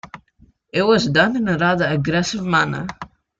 It was done in a rather aggressive manner.